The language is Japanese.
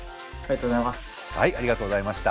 ありがとうございます。